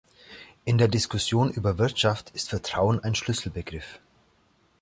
In der Diskussion über Wirtschaft ist Vertrauen ein Schlüsselbegriff.